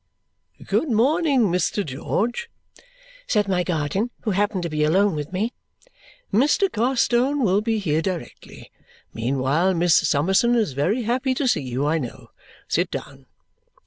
"Good morning, Mr. George," said my guardian, who happened to be alone with me. "Mr. Carstone will be here directly. Meanwhile, Miss Summerson is very happy to see you, I know. Sit down."